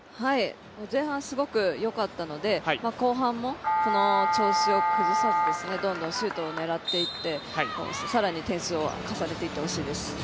前半、すごくよかったので後半もこの調子を崩さず、どんどんシュートを狙っていって更に点数を重ねていってほしいです。